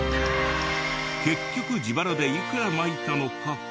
結局自腹でいくらまいたのか。